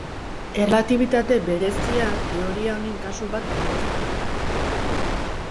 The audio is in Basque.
Erlatibitate berezia teoria honen kasu bat baino ez da.